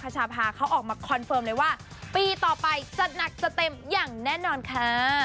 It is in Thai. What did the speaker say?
ชาภาเขาออกมาคอนเฟิร์มเลยว่าปีต่อไปจะหนักจะเต็มอย่างแน่นอนค่ะ